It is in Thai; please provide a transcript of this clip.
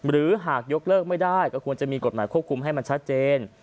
หากยกเลิกไม่ได้ก็ควรจะมีกฎหมายควบคุมให้มันชัดเจน